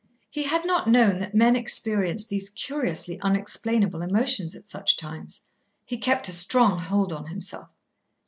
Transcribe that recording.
He had not known that men experienced these curiously unexplainable emotions at such times. He kept a strong hold on himself.